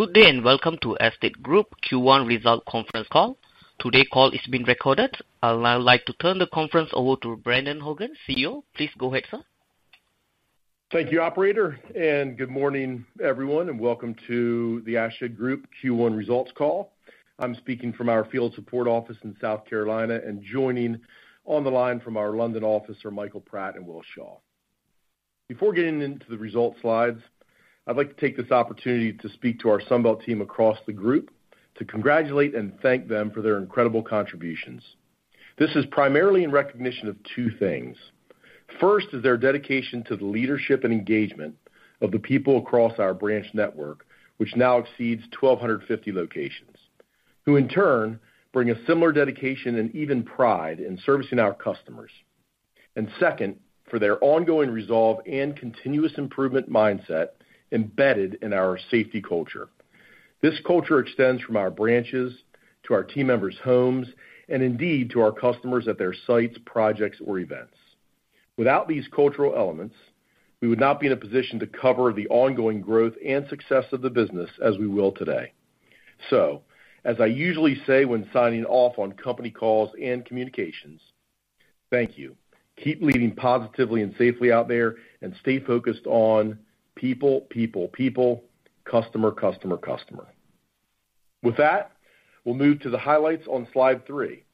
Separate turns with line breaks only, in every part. Good day, and welcome to Ashtead Group Q1 Results Conference Call. Today's call is being recorded. I'll now like to turn the conference over to Brendan Horgan, CEO. Please go ahead, sir.
Thank you, operator, and good morning, everyone, and welcome to the Ashtead Group Q1 Results Call. I'm speaking from our field support office in South Carolina, and joining on the line from our London office are Michael Pratt and Will Shaw. Before getting into the results slides, I'd like to take this opportunity to speak to our Sunbelt team across the group to congratulate and thank them for their incredible contributions. This is primarily in recognition of two things. First is their dedication to the leadership and engagement of the people across our branch network, which now exceeds 1,250 locations, who in turn bring a similar dedication and even pride in servicing our customers. Second, for their ongoing resolve and continuous improvement mindset embedded in our safety culture. This culture extends from our branches to our team members' homes and indeed to our customers at their sites, projects, or events. Without these cultural elements, we would not be in a position to cover the ongoing growth and success of the business as we will today. As I usually say when signing off on company calls and communications, thank you. Keep leading positively and safely out there, and stay focused on people, people, customer, customer. With that, we'll move to the highlights on slide three.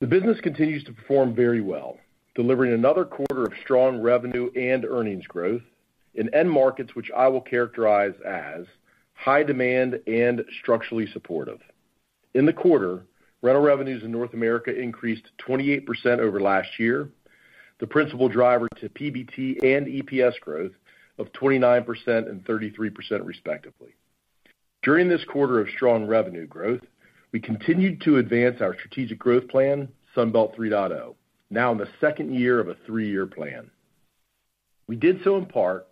The business continues to perform very well, delivering another quarter of strong revenue and earnings growth in end markets which I will characterize as high demand and structurally supportive. In the quarter, rental revenues in North America increased 28% over last year, the principal driver to PBT and EPS growth of 29% and 33% respectively. During this quarter of strong revenue growth, we continued to advance our strategic growth plan, Sunbelt 3.0, now in the second year of a three-year plan. We did so in part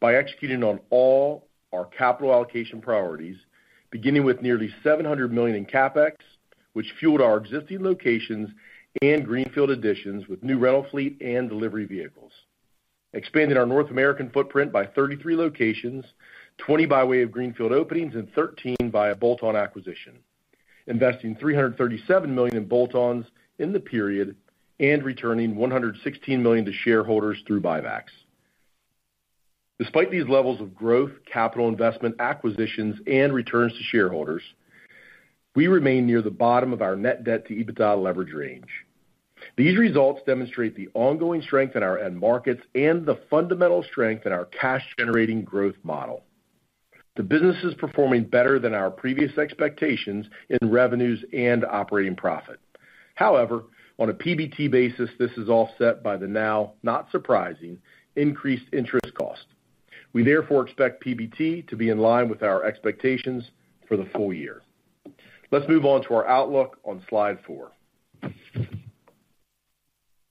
by executing on all our capital allocation priorities, beginning with nearly $700 million in CapEx, which fueled our existing locations and greenfield additions with new rental fleet and delivery vehicles. We expanded our North American footprint by 33 locations, 20 by way of greenfield openings and 13 via bolt-on acquisition. We invested $337 million in bolt-ons in the period, and returned $116 million to shareholders through buybacks. Despite these levels of growth, capital investment, acquisitions, and returns to shareholders, we remain near the bottom of our net debt to EBITDA leverage range. These results demonstrate the ongoing strength in our end markets and the fundamental strength in our cash-generating growth model. The business is performing better than our previous expectations in revenues and operating profit. However, on a PBT basis, this is offset by the now not surprising increased interest cost. We therefore expect PBT to be in line with our expectations for the full year. Let's move on to our outlook on slide four.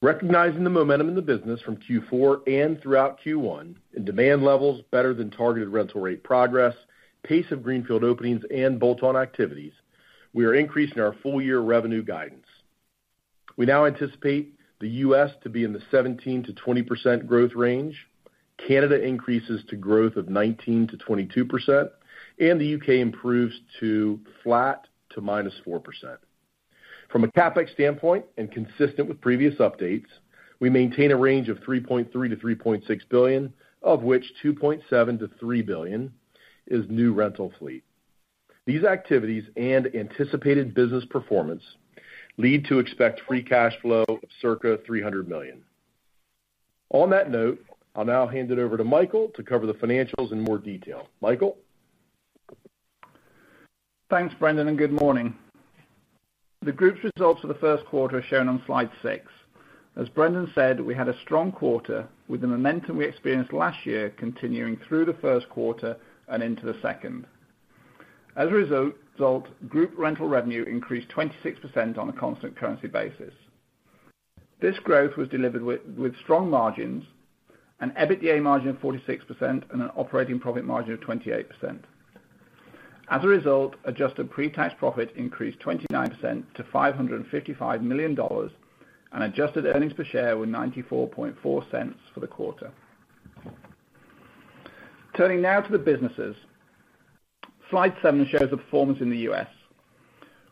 Recognizing the momentum in the business from Q4 and throughout Q1 in demand levels better than targeted rental rate progress, pace of greenfield openings and bolt-on activities, we are increasing our full-year revenue guidance. We now anticipate the U.S. to be in the 17%-20% growth range. Canada increases to growth of 19%-22%, and the UK improves to flat to -4%. From a CapEx standpoint and consistent with previous updates, we maintain a range of $3.3 billion-$3.6 billion, of which $2.7 billion-$3 billion is new rental fleet. These activities and anticipated business performance lead to expect free cash flow of circa $300 million. On that note, I'll now hand it over to Michael to cover the financials in more detail. Michael?
Thanks, Brendan, and good morning. The group's results for the first quarter are shown on slide six. As Brendan said, we had a strong quarter with the momentum we experienced last year continuing through the first quarter and into the second. Group rental revenue increased 26% on a constant currency basis. This growth was delivered with strong margins and EBITDA margin of 46% and an operating profit margin of 28%. Adjusted pre-tax profit increased 29% to $555 million and adjusted earnings per share were $0.944 for the quarter. Turning now to the businesses. Slide seven shows the performance in the U.S.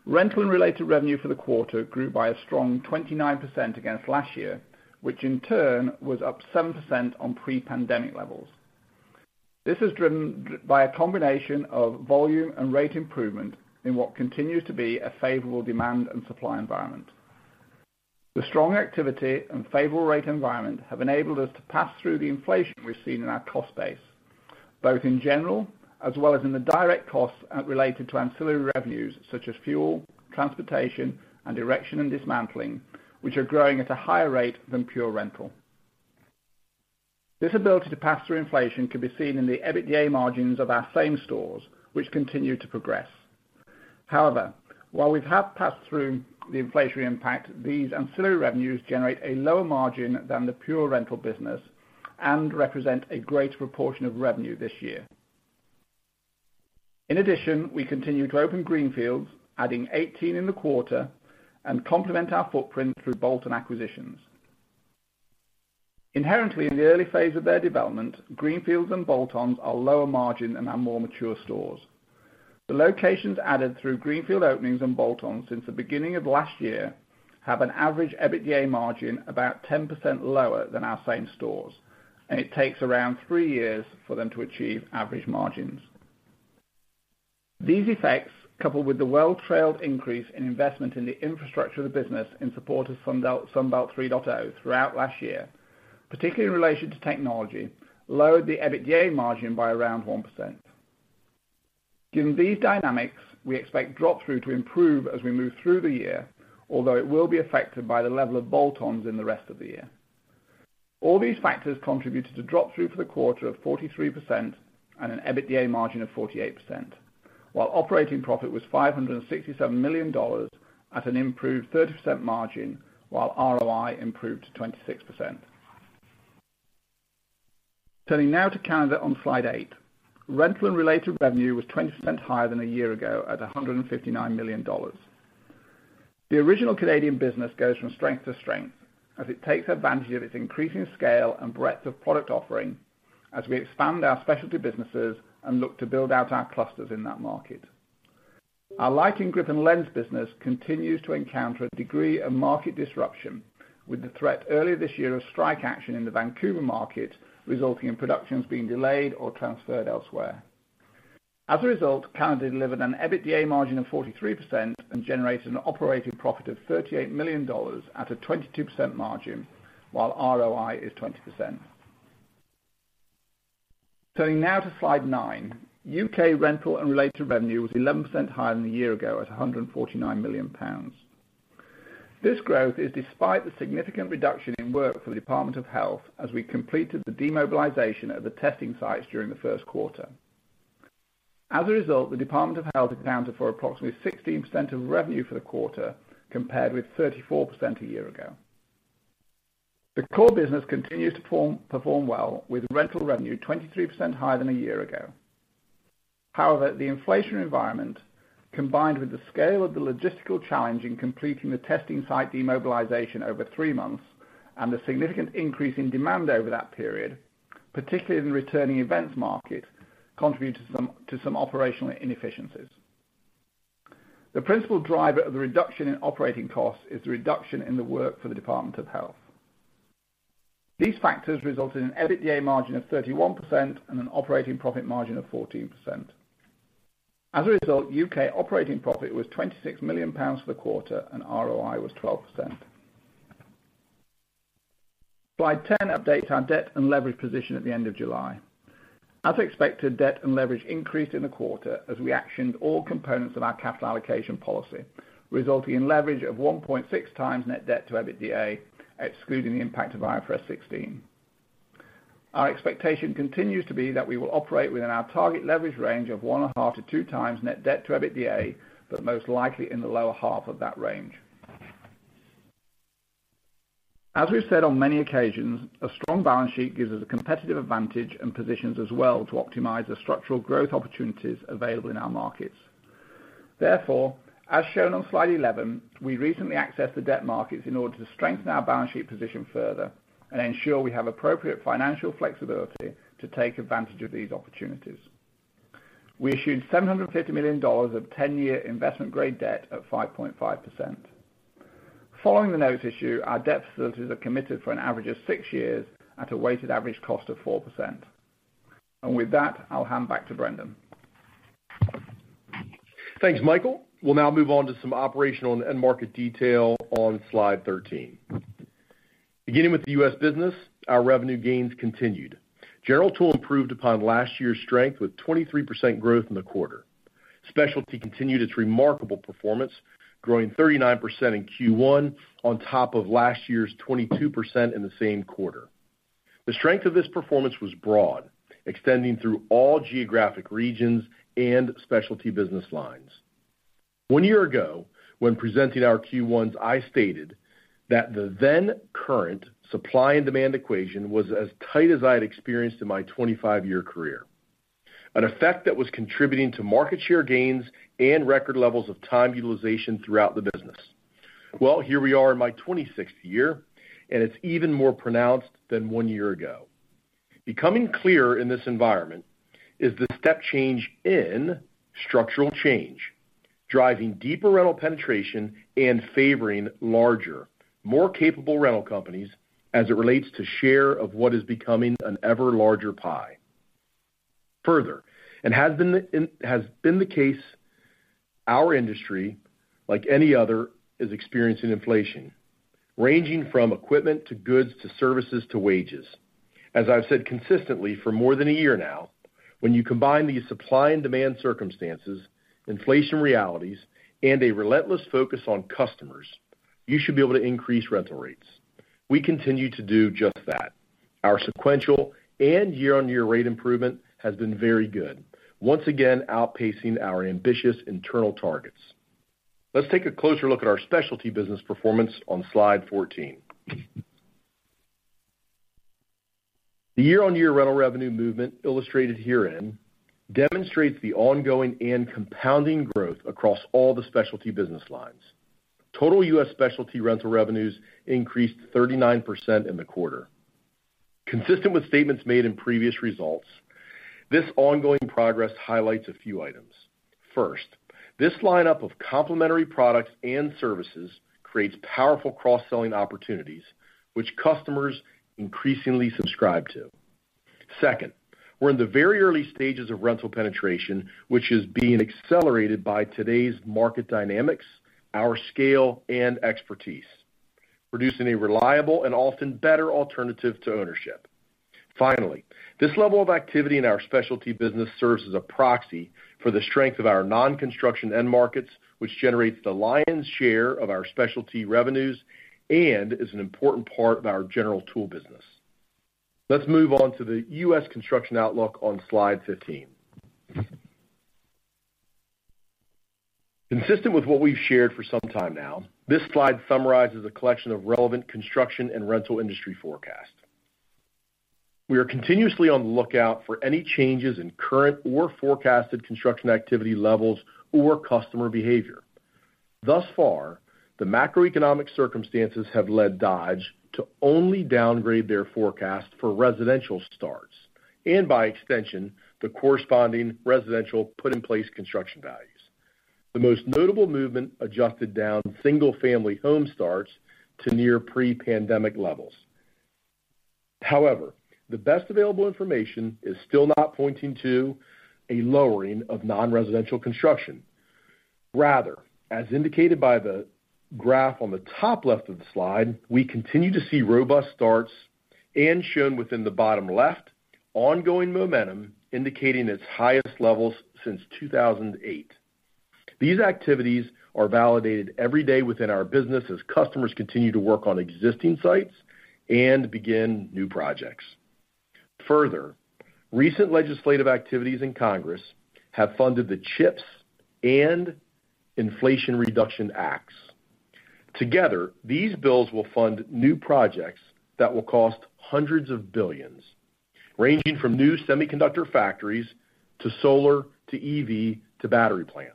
Rental and related revenue for the quarter grew by a strong 29% against last year, which in turn was up 7% on pre-pandemic levels. This is driven by a combination of volume and rate improvement in what continues to be a favorable demand and supply environment. The strong activity and favorable rate environment have enabled us to pass through the inflation we've seen in our cost base, both in general as well as in the direct costs related to ancillary revenues such as fuel, transportation, and erection and dismantling, which are growing at a higher rate than pure rental. This ability to pass through inflation can be seen in the EBITDA margins of our same stores, which continue to progress. However, while we have passed through the inflationary impact, these ancillary revenues generate a lower margin than the pure rental business and represent a greater proportion of revenue this year. In addition, we continue to open greenfields, adding 18 in the quarter and complement our footprint through bolt-on acquisitions. Inherently, in the early phase of their development, greenfields and bolt-ons are lower margin than our more mature stores. The locations added through greenfield openings and bolt-ons since the beginning of last year have an average EBITDA margin about 10% lower than our same stores, and it takes around 3 years for them to achieve average margins. These effects, coupled with the well-trailed increase in investment in the infrastructure of the business in support of Sunbelt 3.0 throughout last year, particularly in relation to technology, lowered the EBITDA margin by around 1%. Given these dynamics, we expect drop-through to improve as we move through the year, although it will be affected by the level of bolt-ons in the rest of the year. All these factors contributed to drop-through for the quarter of 43% and an EBITDA margin of 48%, while operating profit was $567 million at an improved 30% margin, while ROI improved to 26%. Turning now to Canada on slide eight. Rental and related revenue was 20% higher than a year ago at $159 million. The original Canadian business goes from strength to strength as it takes advantage of its increasing scale and breadth of product offering as we expand our specialty businesses and look to build out our clusters in that market. Our lighting, grip and lens business continues to encounter a degree of market disruption with the threat earlier this year of strike action in the Vancouver market, resulting in productions being delayed or transferred elsewhere. As a result, Canada delivered an EBITDA margin of 43% and generated an operating profit of $38 million at a 22% margin, while ROI is 20%. Turning now to slide nine. U.K. rental and related revenue was 11% higher than a year ago at 149 million pounds. This growth is despite the significant reduction in work for the Department of Health as we completed the demobilization of the testing sites during the first quarter. As a result, the Department of Health accounted for approximately 16% of revenue for the quarter, compared with 34% a year ago. The core business continues to perform well, with rental revenue 23% higher than a year ago. However, the inflation environment, combined with the scale of the logistical challenge in completing the testing site demobilization over three months and the significant increase in demand over that period, particularly in the returning events market, contributed to some operational inefficiencies. The principal driver of the reduction in operating costs is the reduction in the work for the Department of Health. These factors resulted in EBITDA margin of 31% and an operating profit margin of 14%. As a result, UK operating profit was 26 million pounds for the quarter, and ROI was 12%. Slide 10 updates our debt and leverage position at the end of July. As expected, debt and leverage increased in the quarter as we actioned all components of our capital allocation policy, resulting in leverage of 1.6x net debt to EBITDA, excluding the impact of IFRS 16. Our expectation continues to be that we will operate within our target leverage range of 1.5-2 times net debt to EBITDA, but most likely in the lower half of that range. As we've said on many occasions, a strong balance sheet gives us a competitive advantage and positions us well to optimize the structural growth opportunities available in our markets. Therefore, as shown on slide 11, we recently accessed the debt markets in order to strengthen our balance sheet position further and ensure we have appropriate financial flexibility to take advantage of these opportunities. We issued $750 million of 10-year investment-grade debt at 5.5%. Following the notes issue, our debt facilities are committed for an average of 6 years at a weighted average cost of 4%. With that, I'll hand back to Brendan.
Thanks, Michael. We'll now move on to some operational and end market detail on slide 13. Beginning with the US business, our revenue gains continued. General tool improved upon last year's strength with 23% growth in the quarter. Specialty continued its remarkable performance, growing 39% in Q1 on top of last year's 22% in the same quarter. The strength of this performance was broad, extending through all geographic regions and specialty business lines. One year ago, when presenting our Q1s, I stated that the then-current supply and demand equation was as tight as I had experienced in my 25-year career, an effect that was contributing to market share gains and record levels of time utilization throughout the business. Well, here we are in my 26th year, and it's even more pronounced than one year ago. Becoming clear in this environment is the step change in structural change, driving deeper rental penetration and favoring larger, more capable rental companies as it relates to share of what is becoming an ever larger pie. Further, as has been the case, our industry, like any other, is experiencing inflation ranging from equipment to goods to services to wages. As I've said consistently for more than a year now, when you combine these supply and demand circumstances, inflation realities, and a relentless focus on customers, you should be able to increase rental rates. We continue to do just that. Our sequential and year-on-year rate improvement has been very good, once again outpacing our ambitious internal targets. Let's take a closer look at our specialty business performance on slide 14. The year-on-year rental revenue movement illustrated herein demonstrates the ongoing and compounding growth across all the specialty business lines. Total U.S. specialty rental revenues increased 39% in the quarter. Consistent with statements made in previous results, this ongoing progress highlights a few items. First, this lineup of complementary products and services creates powerful cross-selling opportunities, which customers increasingly subscribe to. Second, we're in the very early stages of rental penetration, which is being accelerated by today's market dynamics, our scale, and expertise, producing a reliable and often better alternative to ownership. Finally, this level of activity in our specialty business serves as a proxy for the strength of our non-construction end markets, which generates the lion's share of our specialty revenues and is an important part of our general tool business. Let's move on to the U.S. Construction outlook on slide 15. Consistent with what we've shared for some time now, this slide summarizes a collection of relevant construction and rental industry forecasts. We are continuously on the lookout for any changes in current or forecasted construction activity levels or customer behavior. Thus far, the macroeconomic circumstances have led Dodge to only downgrade their forecast for residential starts and, by extension, the corresponding residential put in place construction values. The most notable movement adjusted down single-family home starts to near pre-pandemic levels. However, the best available information is still not pointing to a lowering of non-residential construction. Rather, as indicated by the graph on the top left of the slide, we continue to see robust starts as shown within the bottom left, ongoing momentum indicating its highest levels since 2008. These activities are validated every day within our business as customers continue to work on existing sites and begin new projects. Further, recent legislative activities in Congress have funded the CHIPS and Inflation Reduction Acts. Together, these bills will fund new projects that will cost hundreds of billions, ranging from new semiconductor factories to solar, to EV, to battery plants.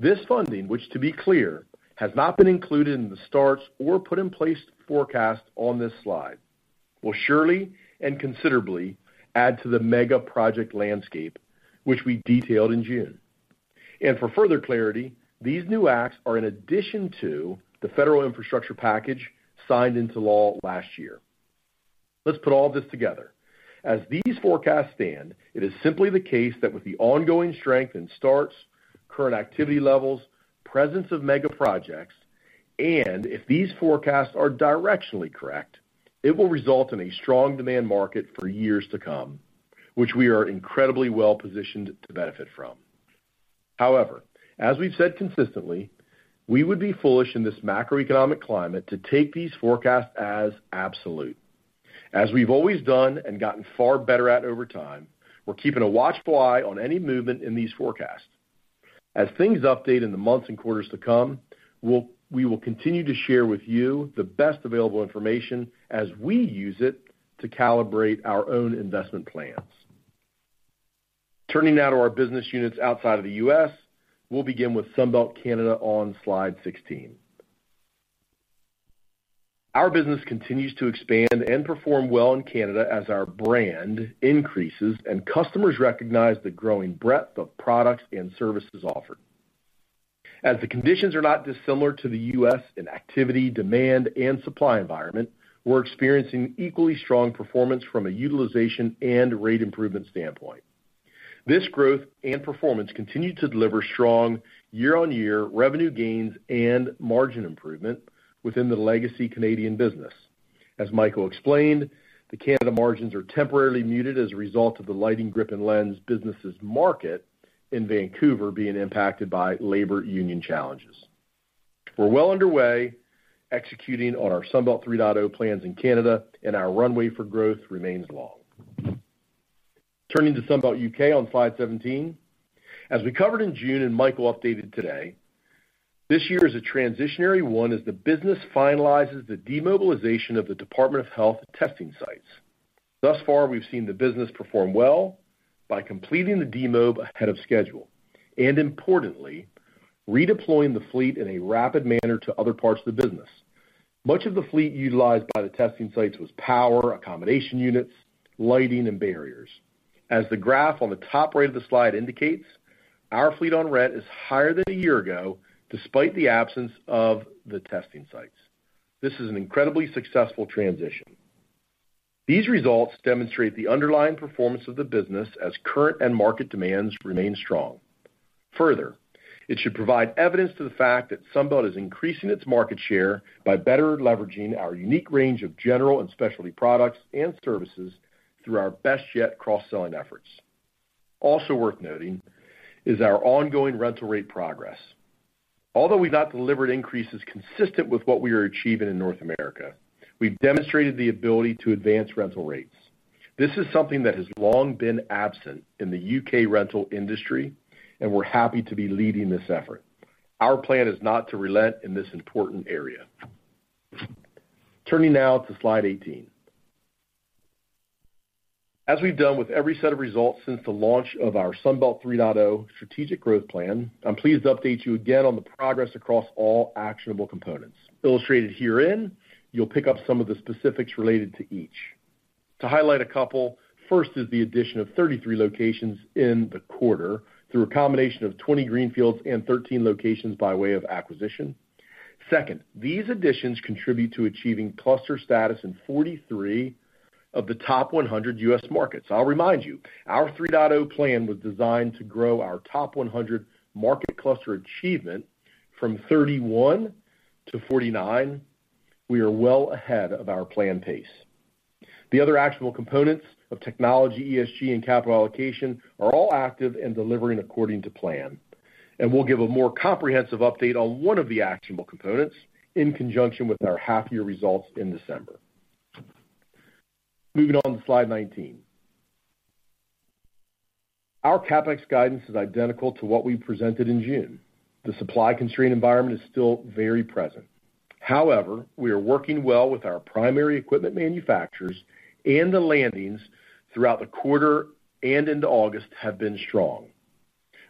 This funding, which, to be clear, has not been included in the starts or put in place forecast on this slide, will surely and considerably add to the mega project landscape, which we detailed in June. For further clarity, these new acts are in addition to the federal infrastructure package signed into law last year. Let's put all this together. As these forecasts stand, it is simply the case that with the ongoing strength in starts, current activity levels, presence of mega projects, and if these forecasts are directionally correct, it will result in a strong demand market for years to come, which we are incredibly well-positioned to benefit from. However, as we've said consistently, we would be foolish in this macroeconomic climate to take these forecasts as absolute. As we've always done and gotten far better at over time, we're keeping a watchful eye on any movement in these forecasts. As things update in the months and quarters to come, we will continue to share with you the best available information as we use it to calibrate our own investment plans. Turning now to our business units outside of the US, we'll begin with Sunbelt Canada on slide 16. Our business continues to expand and perform well in Canada as our brand increases and customers recognize the growing breadth of products and services offered. As the conditions are not dissimilar to the U.S. in activity, demand, and supply environment, we're experiencing equally strong performance from a utilization and rate improvement standpoint. This growth and performance continue to deliver strong year-on-year revenue gains and margin improvement within the legacy Canadian business. As Michael explained, the Canada margins are temporarily muted as a result of the lighting, grip and lens business's market in Vancouver being impacted by labor union challenges. We're well underway executing on our Sunbelt 3.0 plans in Canada, and our runway for growth remains long. Turning to Sunbelt UK on slide 17. As we covered in June and Michael updated today, this year is a transitionary one as the business finalizes the demobilization of the Department of Health testing sites. Thus far, we've seen the business perform well by completing the demob ahead of schedule and importantly, redeploying the fleet in a rapid manner to other parts of the business. Much of the fleet utilized by the testing sites was power, accommodation units, lighting, and barriers. As the graph on the top right of the slide indicates, our fleet on rent is higher than a year ago, despite the absence of the testing sites. This is an incredibly successful transition. These results demonstrate the underlying performance of the business as current end market demands remain strong. Further, it should provide evidence to the fact that Sunbelt is increasing its market share by better leveraging our unique range of general and specialty products and services through our best yet cross-selling efforts. Also worth noting is our ongoing rental rate progress. Although we've not delivered increases consistent with what we are achieving in North America, we've demonstrated the ability to advance rental rates. This is something that has long been absent in the U.K. rental industry, and we're happy to be leading this effort. Our plan is not to relent in this important area. Turning now to slide 18. As we've done with every set of results since the launch of our Sunbelt 3.0 strategic growth plan, I'm pleased to update you again on the progress across all actionable components. Illustrated herein, you'll pick up some of the specifics related to each. To highlight a couple, first is the addition of 33 locations in the quarter through a combination of 20 greenfields and 13 locations by way of acquisition. Second, these additions contribute to achieving cluster status in 43 of the top 100 U.S. markets. I'll remind you, our 3.0 plan was designed to grow our top 100 market cluster achievement from 31 to 49. We are well ahead of our plan pace. The other actionable components of technology, ESG, and capital allocation are all active in delivering according to plan, and we'll give a more comprehensive update on one of the actionable components in conjunction with our half-year results in December. Moving on to slide 19. Our CapEx guidance is identical to what we presented in June. The supply constraint environment is still very present. However, we are working well with our primary equipment manufacturers and the landings throughout the quarter and into August have been strong.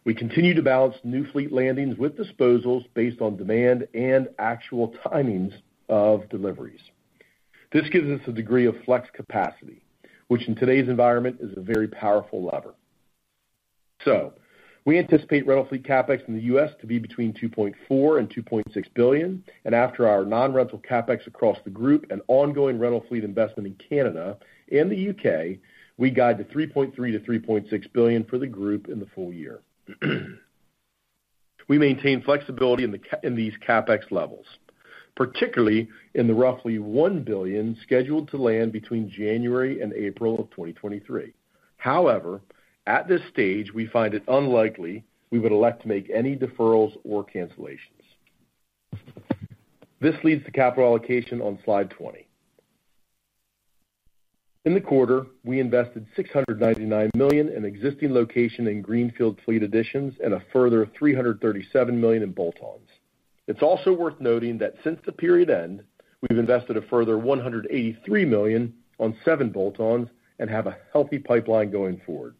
We continue to balance new fleet landings with disposals based on demand and actual timings of deliveries. This gives us a degree of flex capacity, which in today's environment is a very powerful lever. We anticipate rental fleet CapEx in the US to be between $2.4 billion and $2.6 billion. And after our non-rental CapEx across the group and ongoing rental fleet investment in Canada and the UK, we guide to $3.3-$3.6 billion for the group in the full year. We maintain flexibility in these CapEx levels, particularly in the roughly $1 billion scheduled to land between January and April of 2023. However, at this stage, we find it unlikely we would elect to make any deferrals or cancellations. This leads to capital allocation on slide 20. In the quarter, we invested $699 million in existing locations and greenfield fleet additions and a further $337 million in bolt-ons. It's also worth noting that since the period end, we've invested a further $183 million on seven bolt-ons and have a healthy pipeline going forward.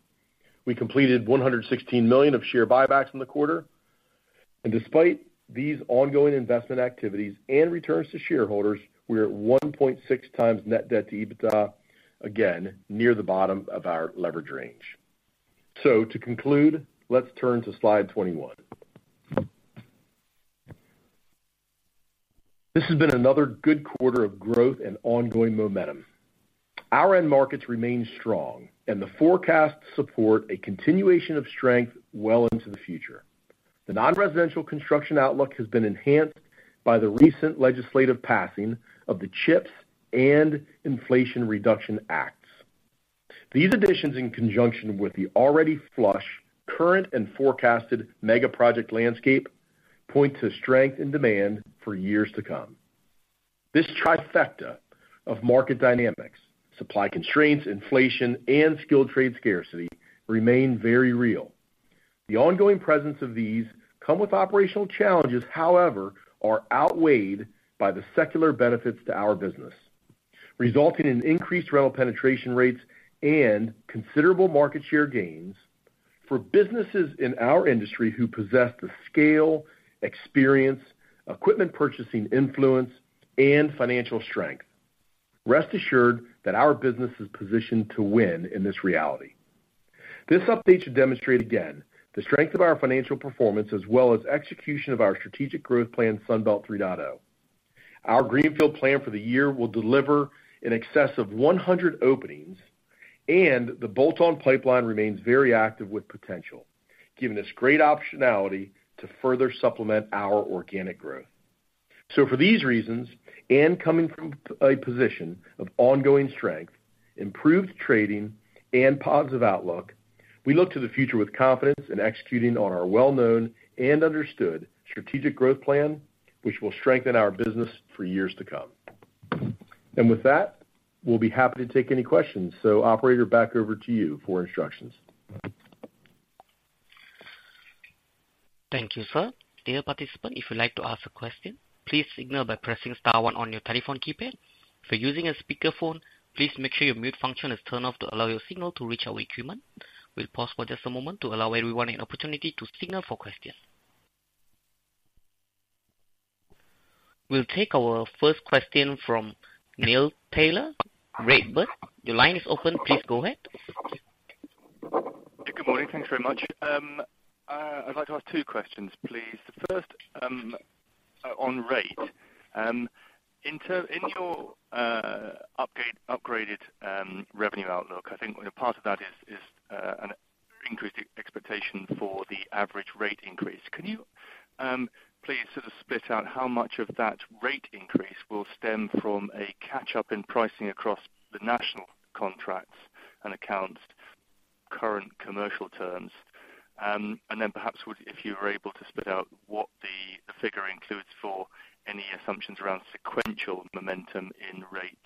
We completed $116 million of share buybacks in the quarter. Despite these ongoing investment activities and returns to shareholders, we are at 1.6x net debt to EBITDA, again, near the bottom of our leverage range. To conclude, let's turn to slide 21. This has been another good quarter of growth and ongoing momentum. Our end markets remain strong and the forecasts support a continuation of strength well into the future. The non-residential construction outlook has been enhanced by the recent legislative passing of the CHIPS and Inflation Reduction Acts. These additions, in conjunction with the already flush current and forecasted mega project landscape, point to strength and demand for years to come. This trifecta of market dynamics, supply constraints, inflation, and skilled trade scarcity remain very real. The ongoing presence of these come with operational challenges, however, are outweighed by the secular benefits to our business, resulting in increased rental penetration rates and considerable market share gains for businesses in our industry who possess the scale, experience, equipment purchasing influence, and financial strength. Rest assured that our business is positioned to win in this reality. This update should demonstrate again the strength of our financial performance as well as execution of our strategic growth plan, Sunbelt 3.0. Our greenfield plan for the year will deliver in excess of 100 openings, and the bolt-on pipeline remains very active with potential, giving us great optionality to further supplement our organic growth. For these reasons, and coming from a position of ongoing strength, improved trading and positive outlook, we look to the future with confidence in executing on our well-known and understood strategic growth plan, which will strengthen our business for years to come. With that, we'll be happy to take any questions. Operator, back over to you for instructions.
Thank you, sir. Dear participant, if you'd like to ask a question, please signal by pressing star one on your telephone keypad. If you're using a speakerphone, please make sure your mute function is turned off to allow your signal to reach our equipment. We'll pause for just a moment to allow everyone an opportunity to signal for questions. We'll take our first question from Neil Tyler, Redburn. Your line is open. Please go ahead.
Good morning. Thanks very much. I'd like to ask two questions, please. The first, on rate. In your upgraded revenue outlook, I think part of that is an increased expectation for the average rate increase. Can you please sort of split out how much of that rate increase will stem from a catch-up in pricing across the national contracts and accounts current commercial terms? Then perhaps if you were able to split out what the figure includes for any assumptions around sequential momentum in rate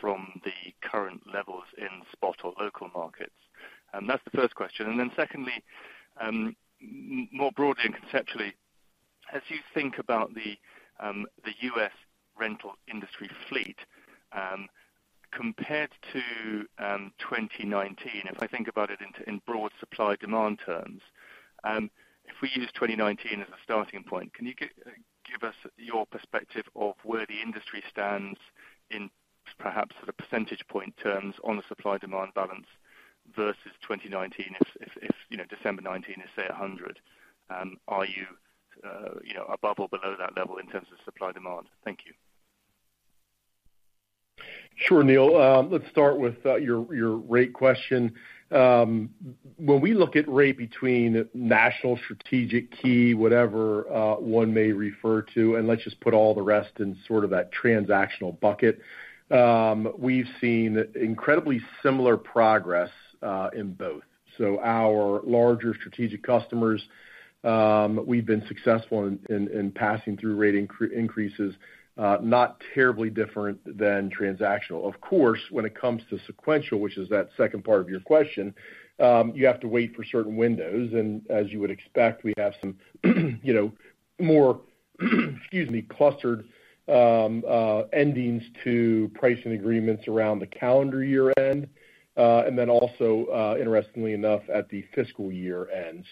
from the current levels in spot or local markets. That's the first question. Then secondly, more broadly and conceptually, as you think about the U.S. rental industry fleet, compared to 2019, if I think about it in broad supply demand terms, if we use 2019 as a starting point, can you give us your perspective of where the industry stands in perhaps the percentage point terms on the supply demand balance versus 2019? If you know, December 2019 is say 100, are you above or below that level in terms of supply demand? Thank you.
Sure, Neil. Let's start with your rate question. When we look at rate between national strategic key, whatever one may refer to, and let's just put all the rest in sort of that transactional bucket, we've seen incredibly similar progress in both. Our larger strategic customers, we've been successful in passing through rate increases, not terribly different than transactional. Of course, when it comes to sequential, which is that second part of your question, you have to wait for certain windows. As you would expect, we have some you know, more excuse me, clustered endings to pricing agreements around the calendar year end, and then also, interestingly enough at the fiscal year end.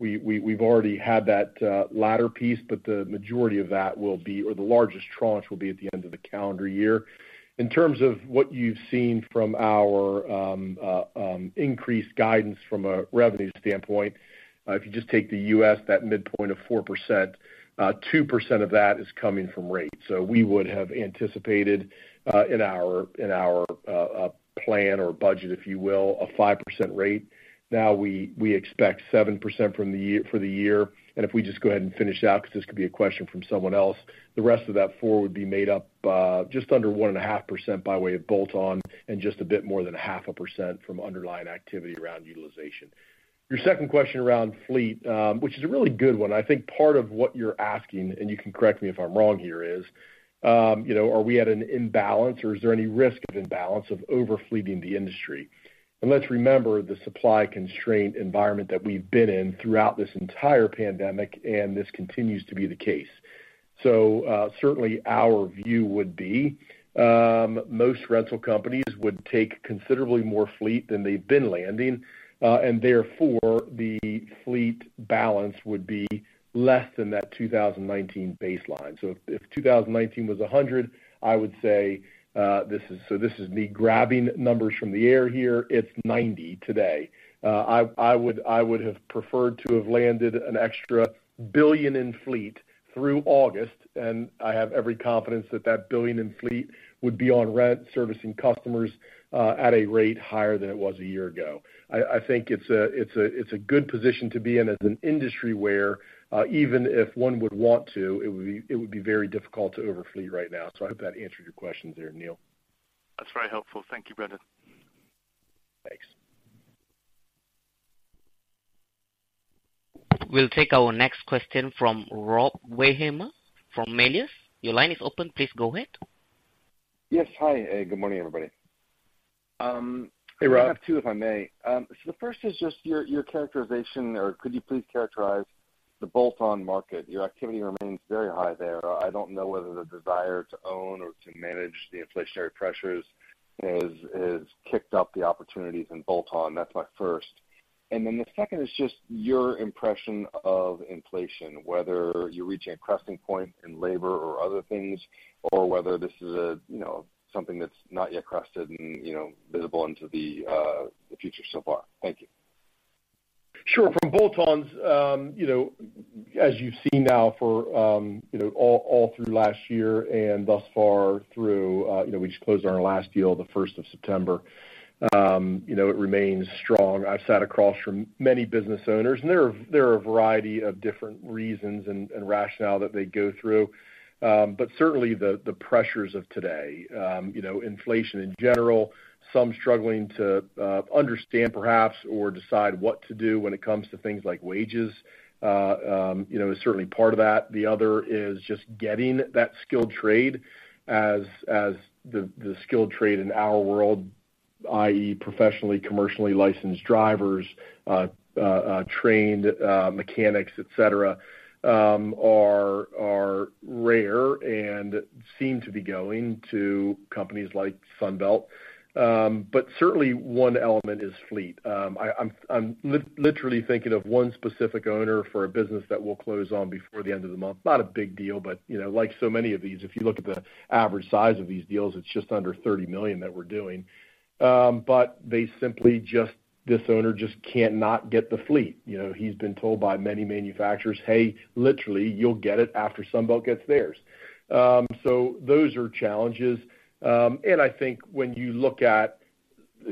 We've already had that latter piece, but the majority of that will be, or the largest tranche will be at the end of the calendar year. In terms of what you've seen from our increased guidance from a revenue standpoint, if you just take the US, that midpoint of 4%, two percent of that is coming from rate. We would have anticipated in our plan or budget, if you will, a 5% rate. Now we expect 7% for the year. If we just go ahead and finish out, because this could be a question from someone else, the rest of that 4% would be made up just under 1.5% by way of bolt-on and just a bit more than 0.5% from underlying activity around utilization. Your second question around fleet, which is a really good one. I think part of what you're asking, and you can correct me if I'm wrong here, is you know, are we at an imbalance or is there any risk of imbalance of over-fleeting the industry? Let's remember the supply constraint environment that we've been in throughout this entire pandemic, and this continues to be the case. Certainly our view would be, most rental companies would take considerably more fleet than they've been landing, and therefore the fleet balance would be less than that 2019 baseline. If 2019 was 100, I would say this is. This is me grabbing numbers from the air here. It's 90 today. I would have preferred to have landed an extra $1 billion in fleet through August, and I have every confidence that that $1 billion in fleet would be on rent servicing customers, at a rate higher than it was a year ago. I think it's a good position to be in as an industry where, even if one would want to, it would be very difficult to over-fleet right now.I hope that answered your questions there, Neil.
That's very helpful. Thank you, Brendan.
Thanks.
We'll take our next question from Rob Wertheimer from Melius. Your line is open. Please go ahead.
Yes. Hi. Good morning, everybody.
Hey, Rob.
I have two, if I may. The first is just your characterization or could you please characterize the bolt-on market? Your activity remains very high there. I don't know whether the desire to own or to manage the inflationary pressures has kicked up the opportunities in bolt-on. That's my first. The second is just your impression of inflation, whether you're reaching a cresting point in labor or other things, or whether this is a, you know, something that's not yet crested and, you know, visible into the future so far. Thank you.
Sure. From bolt-ons, you know, as you've seen now for, you know, all through last year and thus far through, you know, we just closed our last deal the first of September, you know, it remains strong. I've sat across from many business owners, and there are a variety of different reasons and rationale that they go through. Certainly the pressures of today, you know, inflation in general. Some struggling to understand perhaps or decide what to do when it comes to things like wages, you know, is certainly part of that. The other is just getting that skilled trade as the skilled trade in our world, i.e., professionally, commercially licensed drivers, trained mechanics, et cetera, are rare and seem to be going to companies like Sunbelt. Certainly one element is fleet. I'm literally thinking of one specific owner for a business that will close before the end of the month. Not a big deal, but you know, like so many of these, if you look at the average size of these deals, it's just under $30 million that we're doing. They simply just cannot get the fleet. This owner just cannot get the fleet. You know, he's been told by many manufacturers, "Hey, literally, you'll get it after Sunbelt gets theirs." Those are challenges. I think when you look at,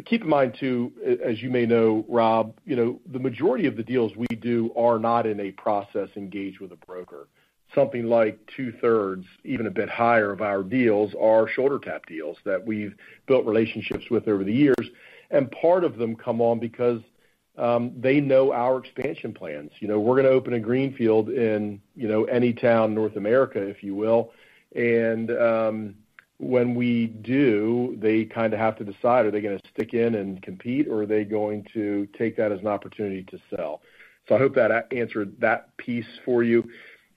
keep in mind too, as you may know, Rob, you know, the majority of the deals we do are not in a process engaged with a broker. Something like two-thirds, even a bit higher of our deals are shoulder tap deals that we've built relationships with over the years. Part of them come on because they know our expansion plans. You know, we're gonna open a greenfield in, you know, any town North America, if you will. When we do, they kinda have to decide, are they gonna stick in and compete or are they going to take that as an opportunity to sell? I hope that answered that piece for you.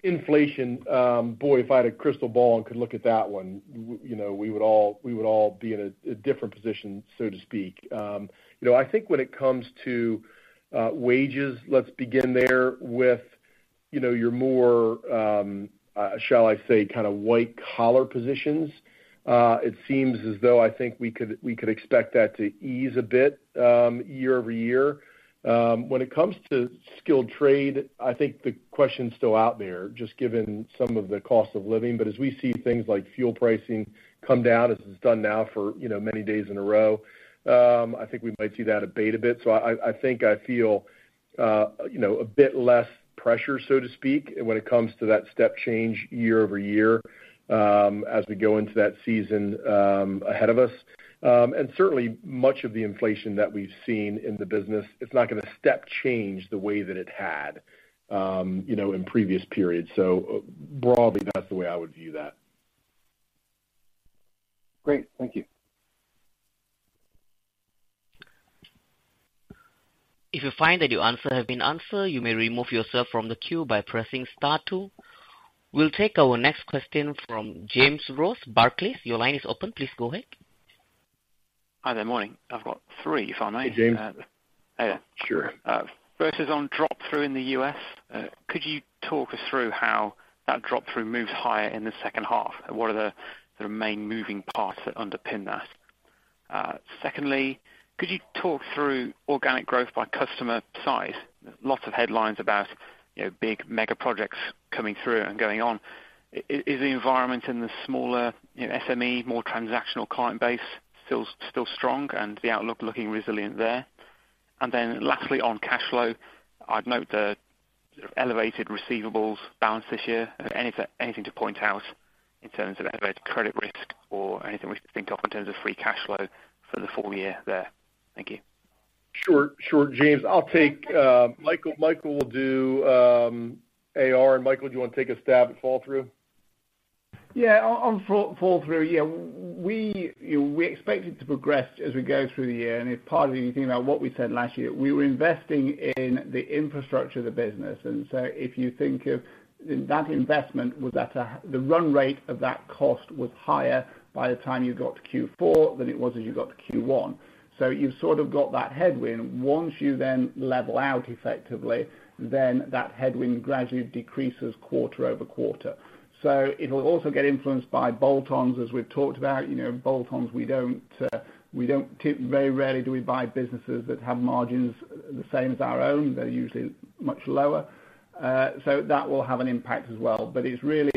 Inflation, boy, if I had a crystal ball and could look at that one, you know, we would all be in a different position, so to speak. You know, I think when it comes to wages, let's begin there with, you know, your more, shall I say, kinda white collar positions. It seems as though I think we could expect that to ease a bit year-over-year. When it comes to skilled trade, I think the question's still out there, just given some of the cost of living. As we see things like fuel pricing come down as it's done now for, you know, many days in a row, I think we might see that abate a bit. I think I feel, you know, a bit less pressure, so to speak, when it comes to that step change year-over-year, as we go into that season ahead of us. Certainly much of the inflation that we've seen in the business, it's not gonna step change the way that it had, you know, in previous periods. Broadly, that's the way I would view that.
Great. Thank you. If you find that your question has been answered, you may remove yourself from the queue by pressing star two. We'll take our next question from James Ross, Barclays. Your line is open. Please go ahead.
Hi there. Morning. I've got three if I may.
Hey, James.
Yeah.
Sure.
First is on drop-through in the U.S. Could you talk us through how that drop-through moves higher in the second half? What are the main moving parts that underpin that? Secondly, could you talk through organic growth by customer size? Lots of headlines about, you know, big mega projects coming through and going on. Is the environment in the smaller, you know, SME, more transactional client base still strong and the outlook looking resilient there? Lastly, on cash flow, I'd note the sort of elevated receivables balance this year. Anything to point out in terms of elevated credit risk or anything we should think of in terms of free cash flow for the full year there? Thank you.
Sure, James. I'll take Michael. Michael will do AR. Michael, do you wanna take a stab at fall through?
On flow-through, you know, we expect it to progress as we go through the year. A big part of everything about what we said last year, we were investing in the infrastructure of the business. If you think of that investment, the run rate of that cost was higher by the time you got to Q4 than it was as you got to Q1. You sort of got that headwind. Once you level out effectively, that headwind gradually decreases quarter-over-quarter. It'll also get influenced by bolt-ons, as we've talked about. You know, bolt-ons, very rarely do we buy businesses that have margins the same as our own. They're usually much lower. That will have an impact as well. It's really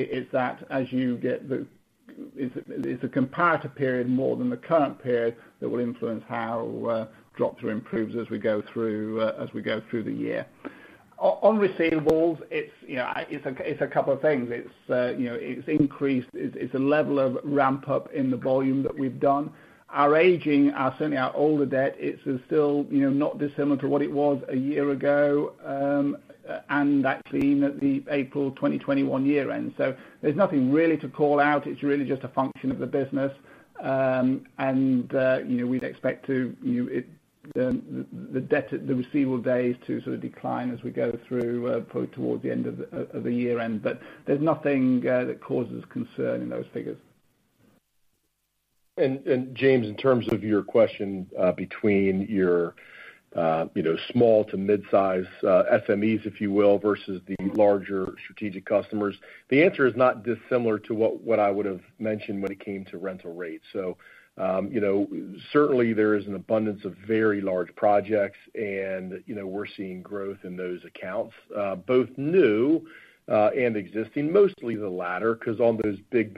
a comparative period more than the current period that will influence how drop-through improves as we go through the year. On receivables, you know, it's a couple of things. It's increased. It's a level of ramp up in the volume that we've done. Our agings are certainly our older debts. It's still, you know, not dissimilar to what it was a year ago, and that's clean at the April 2021 year end. So there's nothing really to call out. It's really just a function of the business. You know, we'd expect the receivable days to sort of decline as we go through towards the end of the year end. There's nothing that causes concern in those figures.
James, in terms of your question, between your, you know, small- to mid-size SMEs, if you will, versus the larger strategic customers. The answer is not dissimilar to what I would have mentioned when it came to rental rates. You know, certainly there is an abundance of very large projects and, you know, we're seeing growth in those accounts, both new and existing, mostly the latter, 'cause on those big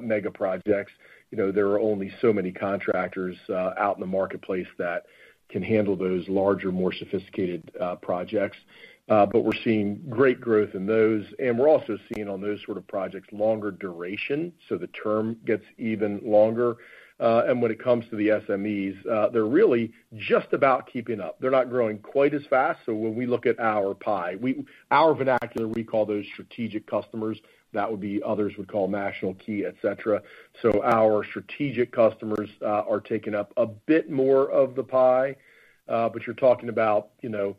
mega projects, you know, there are only so many contractors out in the marketplace that can handle those larger, more sophisticated projects. But we're seeing great growth in those, and we're also seeing on those sort of projects longer duration, so the term gets even longer. When it comes to the SMEs, they're really just about keeping up. They're not growing quite as fast. When we look at our pie, our vernacular, we call those strategic customers. That would be others would call national key, et cetera. Our strategic customers are taking up a bit more of the pie. But you're talking about, you know,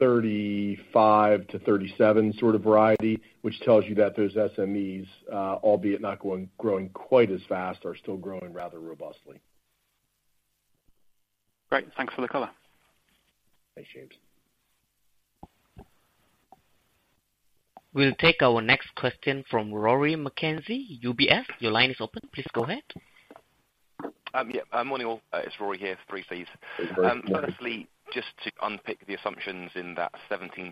35%-37% sort of variety, which tells you that those SMEs, albeit not growing quite as fast, are still growing rather robustly.
Great. Thanks for the color.
Thanks, James.
We'll take our next question from Rory McKenzie, UBS. Your line is open. Please go ahead.
Yeah. Morning, all. It's Rory here. Three, please.
Hey, Rory. Morning.
Firstly, just to unpick the assumptions in that 17%-20%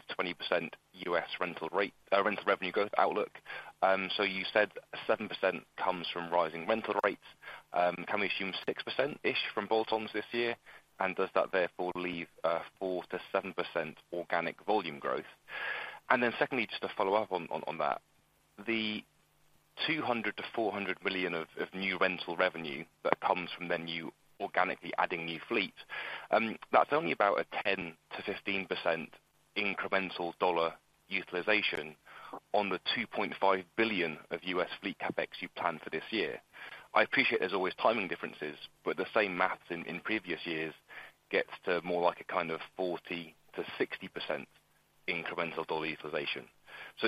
U.S. rental rate, rental revenue growth outlook. So you said 7% comes from rising rental rates. Can we assume 6%-ish from bolt-ons this year? Does that therefore leave 4%-7% organic volume growth? Then secondly, just to follow up on that. The $200 million-$400 million of new rental revenue that comes from the new organically adding new fleet. That's only about a 10%-15% incremental dollar utilization on the $2.5 billion of U.S. fleet CapEx you plan for this year. I appreciate there's always timing differences, but the same math in previous years gets to more like a kind of 40%-60% incremental dollar utilization.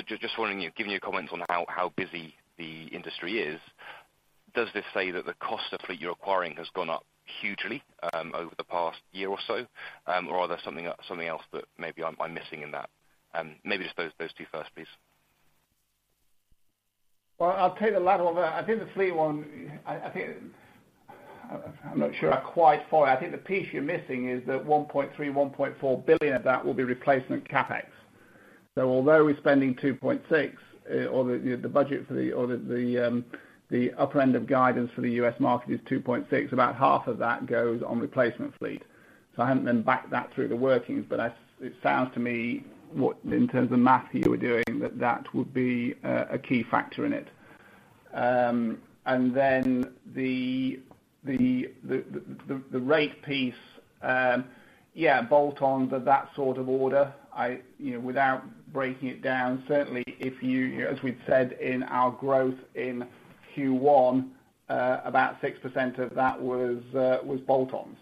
Just wondering, given your comments on how busy the industry is. Does this say that the cost of fleet you're acquiring has gone up hugely over the past year or so? Or is there something else that maybe I'm missing in that? Maybe just those two first, please.
Well, I'll take the latter of that. I think the fleet one. I'm not sure I quite follow. I think the piece you're missing is that $1.3-$1.4 billion of that will be replacement CapEx. So although we're spending $2.6 billion, or the budget for the upper end of guidance for the U.S. market is $2.6 billion, about half of that goes on replacement fleet. So I haven't then backed that through the workings, but that sounds to me like what, in terms of the math you were doing, that would be a key factor in it. And then the rate piece, yeah, bolt on to that sort of order. You know, without breaking it down, certainly if you, as we've said in our growth in Q1, about 6% of that was bolt-ons.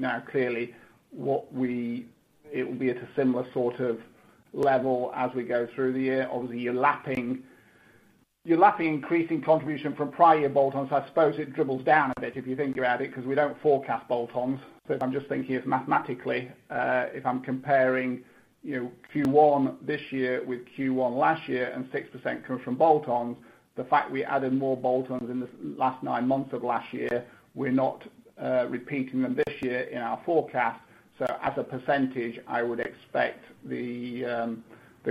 Now clearly it will be at a similar sort of level as we go through the year. Obviously, you're lapping increasing contribution from prior year bolt-ons. I suppose it dribbles down a bit if you think about it, because we don't forecast bolt-ons. If I'm just thinking mathematically, if I'm comparing, you know, Q1 this year with Q1 last year and 6% comes from bolt-ons, the fact we added more bolt-ons in the last nine months of last year, we're not repeating them this year in our forecast. As a percentage, I would expect the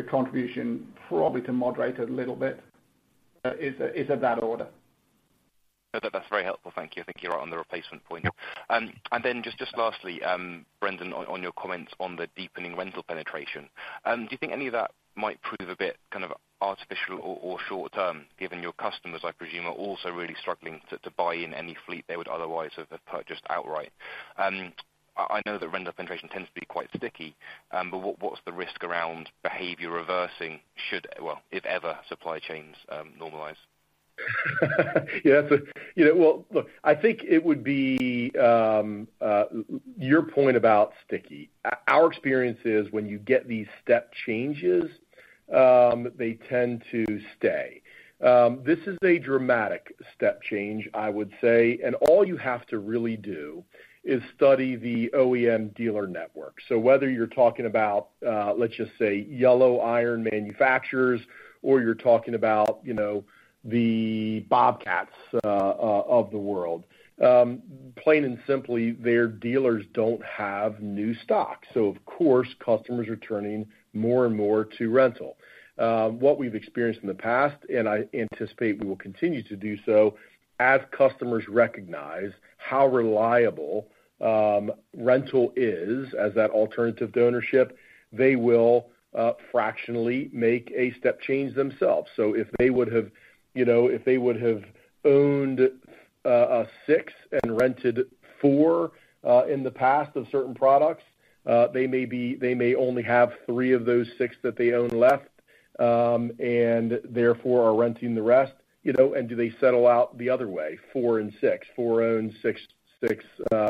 contribution probably to moderate a little bit, is of that order.
That's very helpful. Thank you. I think you're right on the replacement point. Just lastly, Brendan, on your comments on the deepening rental penetration. Do you think any of that might prove a bit kind of artificial or short-term, given your customers, I presume, are also really struggling to buy in any fleet they would otherwise have purchased outright? I know that rental penetration tends to be quite sticky, but what's the risk around behavior reversing should, well, if ever supply chains normalize?
Yeah. You know, well, look, I think it would be, your point about sticky. Our experience is when you get these step changes, they tend to stay. This is a dramatic step change, I would say. All you have to really do is study the OEM dealer network. So whether you're talking about, let's just say, yellow iron manufacturers, or you're talking about, you know, the Bobcats of the world. Plain and simply, their dealers don't have new stock. So of course, customers are turning more and more to rental. What we've experienced in the past, and I anticipate we will continue to do so, as customers recognize how reliable, rental is as that alternative to ownership, they will, fractionally make a step change themselves. If they would have owned six and rented four in the past of certain products, they may only have three of those six that they own left, and therefore are renting the rest. You know, and do they settle out the other way, four and six, four owned, six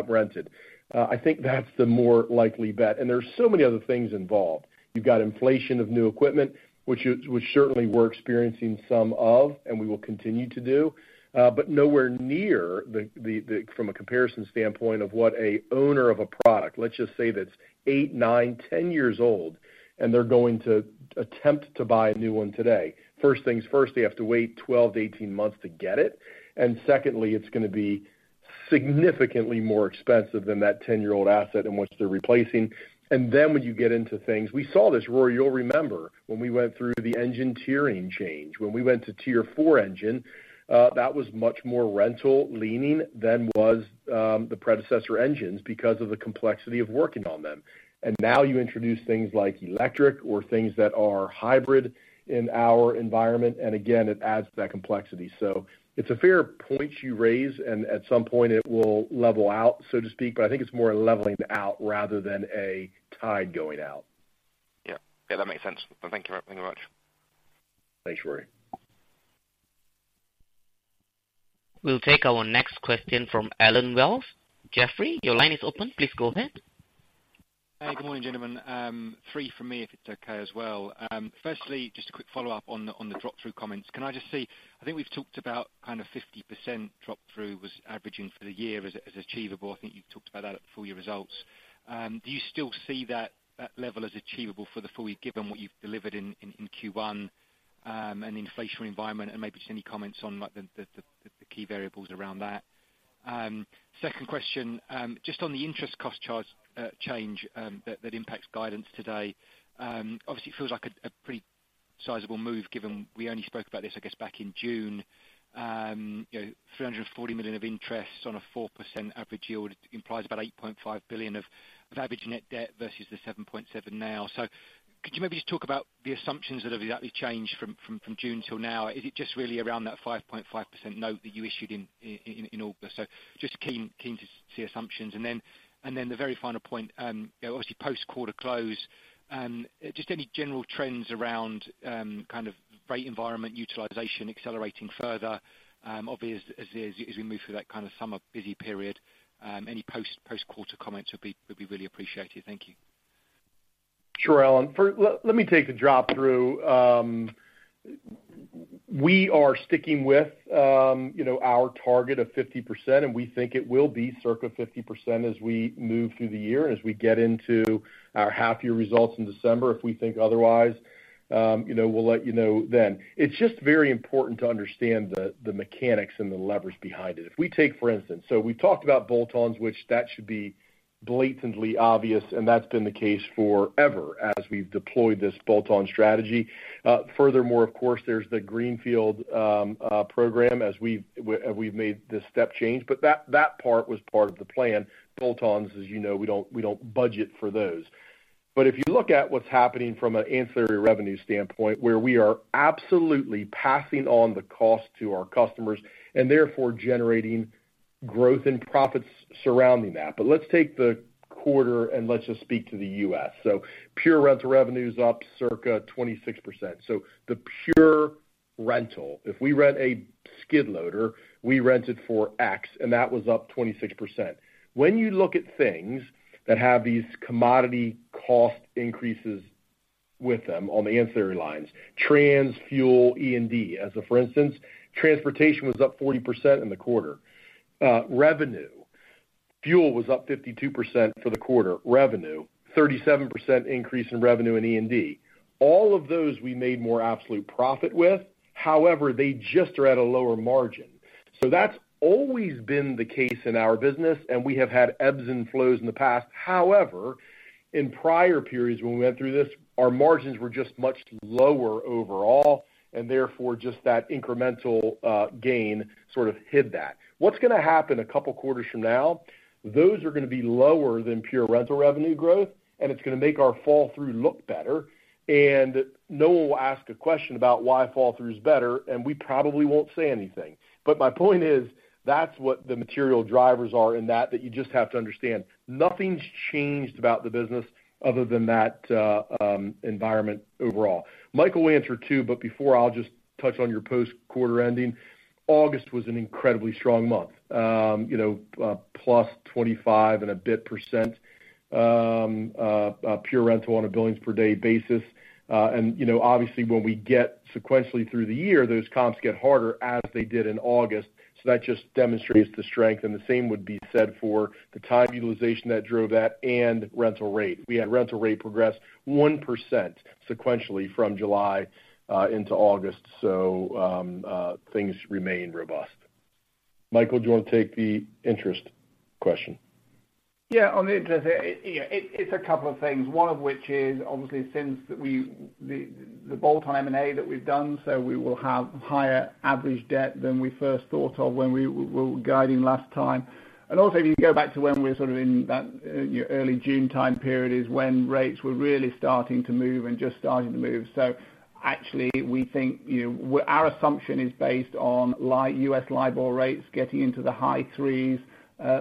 rented? I think that's the more likely bet. There's so many other things involved. You've got inflation of new equipment, which certainly we're experiencing some of and we will continue to do. But nowhere near the from a comparison standpoint of what an owner of a product, let's just say that's eight, nine, 10 years old, and they're going to attempt to buy a new one today. First things first, they have to wait 12-18 months to get it. Secondly, it's gonna be significantly more expensive than that 10-year-old asset in which they're replacing. Then when you get into things, we saw this, Rory, you'll remember when we went through the engine tiering change. When we went to Tier 4 engine, that was much more rental leaning than was the predecessor engines because of the complexity of working on them. Now you introduce things like electric or things that are hybrid in our environment, and again, it adds to that complexity. It's a fair point you raise, and at some point it will level out, so to speak, but I think it's more a leveling out rather than a tide going out.
Yeah. Yeah, that makes sense. Thank you. Thank you very much.
Thanks, Rory.
We'll take our next question from Allen Wells. Jefferies, your line is open. Please go ahead.
Hey, good morning, gentlemen. Three from me if it's okay as well. Firstly, just a quick follow-up on the drop-through comments. Can I just say, I think we've talked about kind of 50% drop-through was averaging for the year as achievable. I think you talked about that at the full year results. Do you still see that level as achievable for the full year given what you've delivered in Q1 and the inflationary environment? Maybe just any comments on like the key variables around that. Second question, just on the interest cost charge change that impacts guidance today. Obviously it feels like a pretty sizable move given we only spoke about this, I guess, back in June. You know, $340 million of interest on a 4% average yield implies about $8.5 billion of average net debt versus the $7.7 billion now. Could you maybe just talk about the assumptions that have exactly changed from June till now? Is it just really around that 5.5% note that you issued in August? Just keen to see assumptions. The very final point, you know, obviously post quarter close, just any general trends around kind of rate environment utilization accelerating further, obviously as we move through that kind of summer busy period, any post quarter comments would be really appreciated. Thank you.
Sure, Allen. First, let me take the drop through. We are sticking with, you know, our target of 50%, and we think it will be circa 50% as we move through the year and as we get into our half year results in December. If we think otherwise, you know, we'll let you know then. It's just very important to understand the mechanics and the levers behind it. If we take, for instance, we talked about bolt-ons, which should be blatantly obvious, and that's been the case forever as we've deployed this bolt-on strategy. Furthermore, of course, there's the greenfield program as we've made this step change, but that part was part of the plan. Bolt-ons, as you know, we don't budget for those. If you look at what's happening from an ancillary revenue standpoint, where we are absolutely passing on the cost to our customers and therefore generating growth and profits surrounding that. Let's take the quarter and let's just speak to the US. Pure rental revenue is up circa 26%. The pure rental, if we rent a skid loader, we rented for X, and that was up 26%. When you look at things that have these commodity cost increases with them on the ancillary lines, trans, fuel, E&D. As for instance, transportation was up 40% in the quarter. Revenue, fuel was up 52% for the quarter. Revenue, 37% increase in revenue in E&D. All of those we made more absolute profit with, however, they just are at a lower margin. That's always been the case in our business, and we have had ebbs and flows in the past. However, in prior periods when we went through this, our margins were just much lower overall, and therefore just that incremental gain sort of hid that. What's gonna happen a couple quarters from now, those are gonna be lower than pure rental revenue growth, and it's gonna make our fall through look better. No one will ask a question about why fall through is better, and we probably won't say anything. My point is, that's what the material drivers are in that you just have to understand. Nothing's changed about the business other than that environment overall. Michael will answer, too, but before, I'll just touch on our post-quarter ending. August was an incredibly strong month. You know, plus 25% and a bit, pure rental on a billings per day basis. You know, obviously, when we get sequentially through the year, those comps get harder as they did in August. That just demonstrates the strength, and the same would be said for the time utilization that drove that and rental rate. We had rental rate progress 1% sequentially from July into August. Things remain robust. Michael, do you want to take the interest question?
Yeah. On the interest, you know, it's a couple of things, one of which is obviously since the bolt-on M&A that we've done, so we will have higher average debt than we first thought of when we were guiding last time. Also, if you go back to when we were sort of in that, you know, early June time period is when rates were really starting to move. Actually, we think, you know, our assumption is based on U.S. LIBOR rates getting into the high threes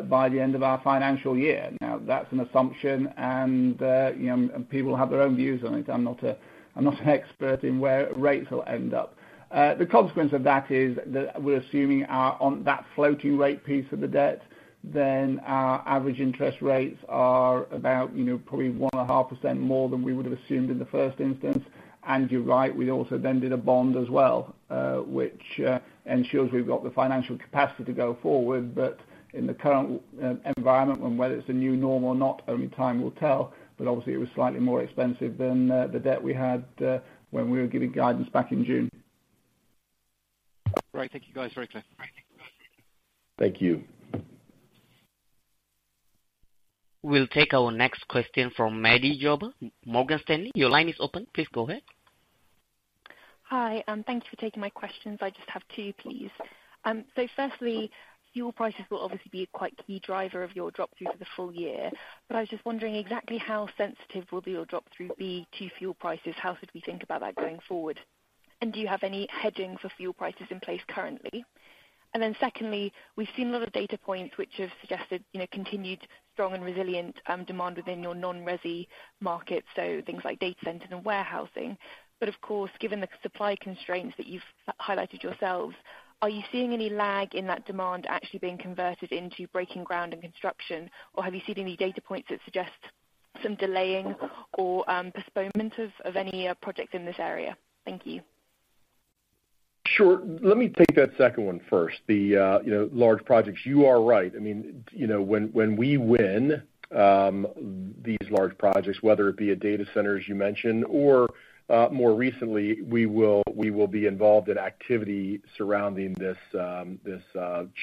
by the end of our financial year. Now, that's an assumption and, you know, people have their own views on it. I'm not an expert in where rates will end up. The consequence of that is that we're assuming on that floating rate piece of the debt, then our average interest rates are about, you know, probably 1.5% more than we would have assumed in the first instance. You're right, we also then did a bond as well, which ensures we've got the financial capacity to go forward. In the current environment and whether it's a new norm or not, only time will tell. Obviously it was slightly more expensive than the debt we had when we were giving guidance back in June.
Great. Thank you, guys. Very clear.
Thank you.
We'll take our next question from Maddy Jobber, Morgan Stanley. Your line is open. Please go ahead.
Hi, thank you for taking my questions. I just have two, please. So firstly, fuel prices will obviously be a quite key driver of your drop through for the full year, but I was just wondering exactly how sensitive will your drop through be to fuel prices? How should we think about that going forward? And do you have any hedging for fuel prices in place currently? And then secondly, we've seen a lot of data points which have suggested, you know, continued strong and resilient demand within your non-resi markets, so things like data center and warehousing. But of course, given the supply constraints that you've highlighted yourselves, are you seeing any lag in that demand actually being converted into breaking ground and construction? Or have you seen any data points that suggest some delaying or postponement of any projects in this area?
Thank you. Sure. Let me take that second one first. The, you know, large projects. You are right. I mean, you know, when we win these large projects, whether it be a data center, as you mentioned, or more recently, we will be involved in activity surrounding this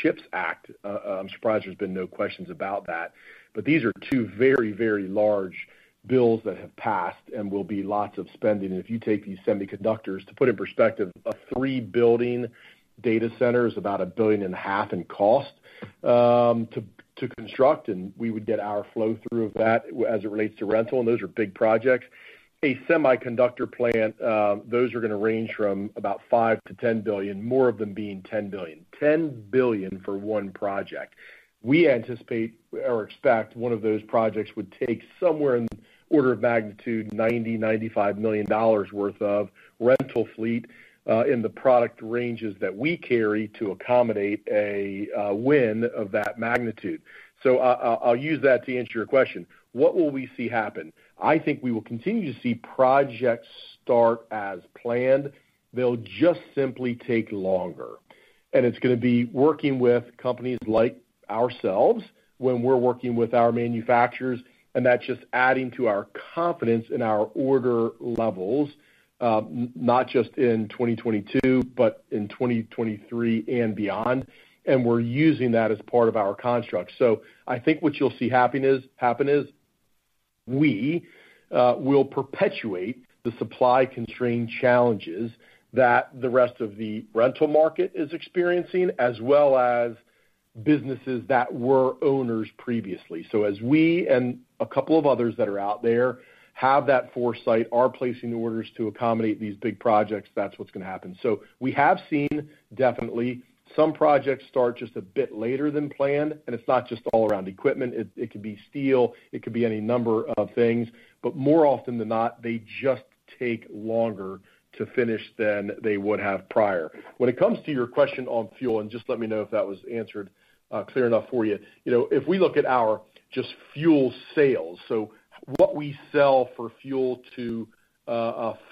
CHIPS Act. I'm surprised there's been no questions about that. But these are two very large bills that have passed and will be lots of spending. If you take these semiconductors, to put in perspective, a three-building data center is about $1.5 billion in cost to construct, and we would get our flow through of that as it relates to rental, and those are big projects. A semiconductor plant, those are gonna range from about $5 billion-$10 billion, more of them being $10 billion. $10 billion for one project. We anticipate or expect one of those projects would take somewhere in order of magnitude $90-$95 million worth of rental fleet, in the product ranges that we carry to accommodate a win of that magnitude. I'll use that to answer your question. What will we see happen? I think we will continue to see projects start as planned. They'll just simply take longer. It's gonna be working with companies like ourselves when we're working with our manufacturers, and that's just adding to our confidence in our order levels, not just in 2022, but in 2023 and beyond. We're using that as part of our construct. I think what you'll see happen is we will perpetuate the supply constraint challenges that the rest of the rental market is experiencing, as well as businesses that were owners previously. As we and a couple of others that are out there have that foresight, are placing orders to accommodate these big projects, that's what's gonna happen. We have seen definitely some projects start just a bit later than planned, and it's not just all around equipment. It could be steel, it could be any number of things. But more often than not, they just take longer to finish than they would have prior. When it comes to your question on fuel, and just let me know if that was answered clear enough for you. You know, if we look at our just fuel sales, so what we sell for fuel to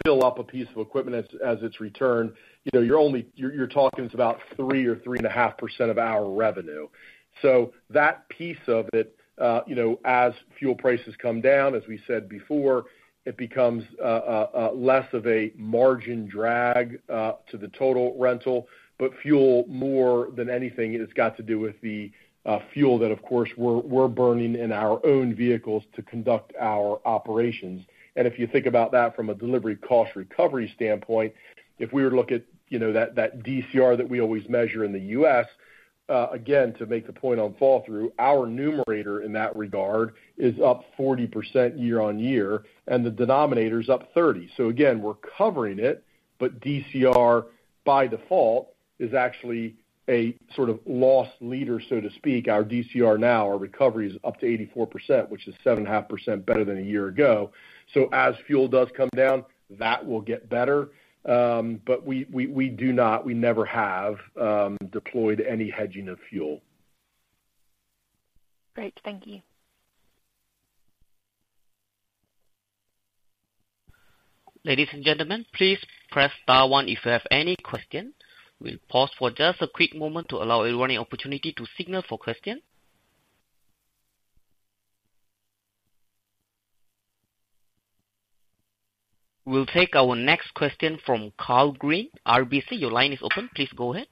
fill up a piece of equipment as it's returned, you know, you're only talking, it's about 3% or 3.5% of our revenue. That piece of it, you know, as fuel prices come down, as we said before, it becomes less of a margin drag to the total rental. Fuel, more than anything, it's got to do with the fuel that, of course, we're burning in our own vehicles to conduct our operations. If you think about that from a delivery cost recovery standpoint, if we were to look at, you know, that DCR that we always measure in the U.S., again, to make the point on fall through, our numerator in that regard is up 40% year-on-year, and the denominator is up 30%. Again, we're covering it, but DCR by default is actually a sort of loss leader, so to speak. Our DCR now, our recovery is up to 84%, which is 7.5% better than a year ago. As fuel does come down, that will get better. We do not, we never have deployed any hedging of fuel.
Great. Thank you.
Ladies and gentlemen, please press star one if you have any question. We'll pause for just a quick moment to allow everyone the opportunity to signal for question. We'll take our next question from Karl Green, RBC. Your line is open. Please go ahead.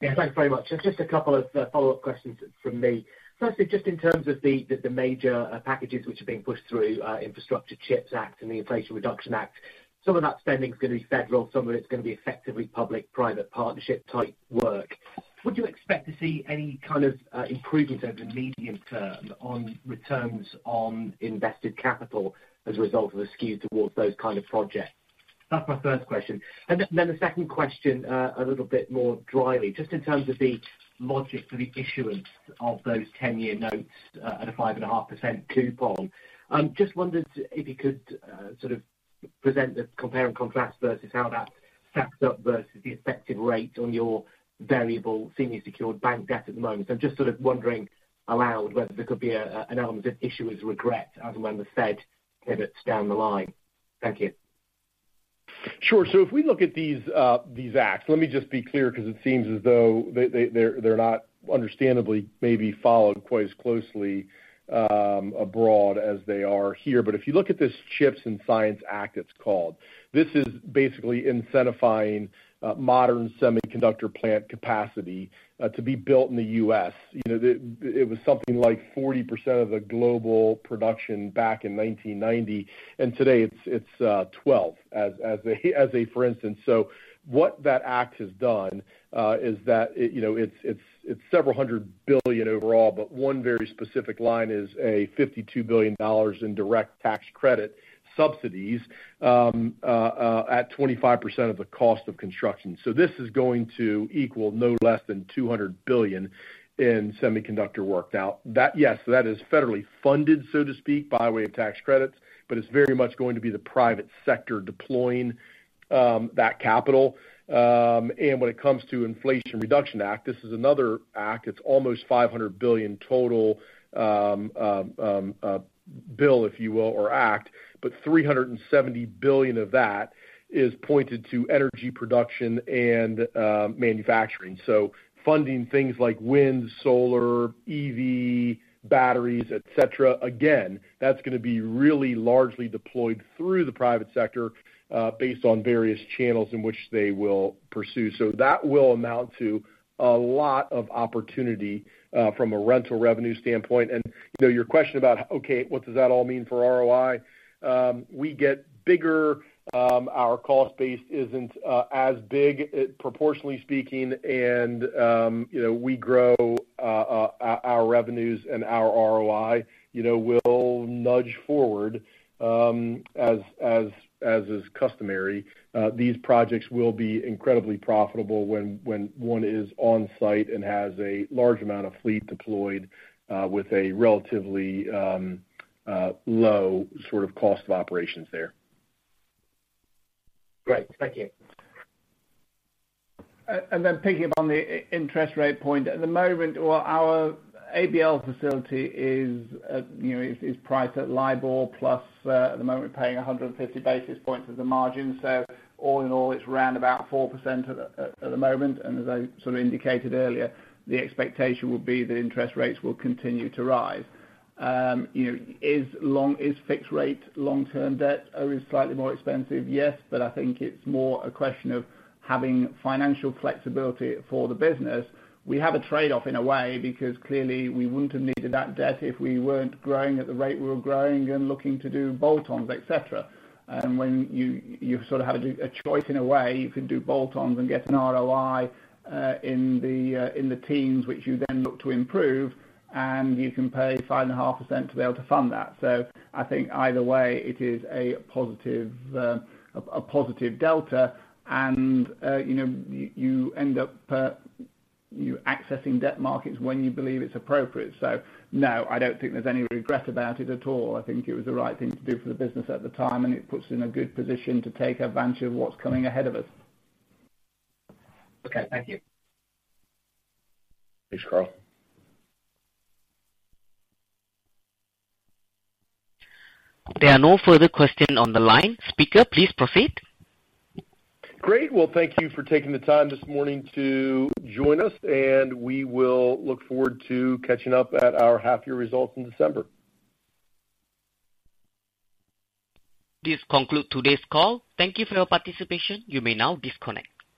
Yeah, thank you very much. Just a couple of follow-up questions from me. Firstly, just in terms of the major packages which are being pushed through infrastructure CHIPS Act and the Inflation Reduction Act, some of that spending is gonna be federal, some of it's gonna be effectively public-private partnership type work. Would you expect to see any kind of improvements over the medium term on returns on invested capital as a result of the skews towards those kind of projects? That's my first question. The second question, a little bit more dryly, just in terms of the logic for the issuance of those 10-year notes at a 5.5% coupon. Just wondered if you could sort of present the compare and contrast versus how that stacks up versus the effective rate on your variable senior secured bank debt at the moment. Just sort of wondering aloud whether there could be an element of issuer's regret as when the Fed pivots down the line. Thank you.
Sure. If we look at these acts, let me just be clear because it seems as though they're not understood, maybe followed quite as closely abroad as they are here. But if you look at this CHIPS and Science Act, it's called, this is basically incentivizing modern semiconductor plant capacity to be built in the U.S. You know, it was something like 40% of the global production back in 1990, and today it's 12% as a for instance. What that act has done is that, you know, it's several hundred billion dollars overall, but one very specific line is $52 billion in direct tax credit subsidies at 25% of the cost of construction. This is going to equal no less than $200 billion in semiconductor work. Now, that, yes, that is federally funded, so to speak, by way of tax credits, but it's very much going to be the private sector deploying that capital. When it comes to Inflation Reduction Act, this is another act. It's almost $500 billion total, bill, if you will, or act, but $370 billion of that is pointed to energy production and manufacturing. Funding things like wind, solar, EV, batteries, et cetera. Again, that's gonna be really largely deployed through the private sector, based on various channels in which they will pursue. That will amount to a lot of opportunity, from a rental revenue standpoint. You know, your question about, okay, what does that all mean for ROI? We get bigger, our cost base isn't as big, proportionally speaking, and you know, we grow our revenues and our ROI, you know, will nudge forward, as is customary. These projects will be incredibly profitable when one is on-site and has a large amount of fleet deployed, with a relatively low sort of cost of operations there.
Great. Thank you.
Piggybacking on the interest rate point. At the moment, well, our ABL facility is, you know, priced at LIBOR plus, at the moment, paying 150 basis points as a margin. All in all, it's round about 4% at the moment. As I sort of indicated earlier, the expectation will be that interest rates will continue to rise. You know, is fixed rate long-term debt are slightly more expensive? Yes. I think it's more a question of having financial flexibility for the business. We have a trade-off in a way, because clearly we wouldn't have needed that debt if we weren't growing at the rate we were growing and looking to do bolt-ons, et cetera. When you sort of have a choice in a way, you can do bolt-ons and get an ROI in the teens, which you then look to improve, and you can pay 5.5% to be able to fund that. I think either way, it is a positive delta and you know, you end up accessing debt markets when you believe it's appropriate. No, I don't think there's any regret about it at all. I think it was the right thing to do for the business at the time, and it puts us in a good position to take advantage of what's coming ahead of us.
Okay. Thank you.
Thanks, Karl.
There are no further questions on the line. Speaker, please proceed.
Great. Well, thank you for taking the time this morning to join us, and we will look forward to catching up at our half-year results in December.
This concludes today's call. Thank you for your participation. You may now disconnect.